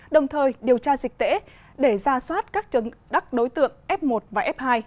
đồng thời điều tra dịch tễ để ra soát các đắc đối tượng f một và f hai